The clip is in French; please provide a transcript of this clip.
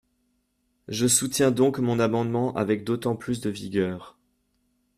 Je soutiens donc mon amendement avec d’autant plus de vigueur.